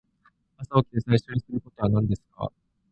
朝起きて最初にすることは何ですか。